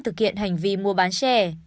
thực hiện hành vi mua bán xe